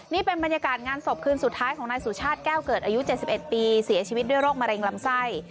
นี่เป็นบรรยากาศงานศพคืนสุดท้ายของนายสุชาติแก้วเกิดอายุ๗๑ปีเสียชีวิตด้วยโรคมะเร็งลำไส้